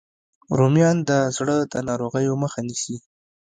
رومیان د زړه د ناروغیو مخه نیسي